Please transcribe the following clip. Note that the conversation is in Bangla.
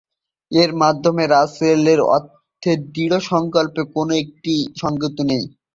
এর মধ্যে রাসেলের অর্থে দৃঢ়সংকল্পের কোনো ইঙ্গিত নেই।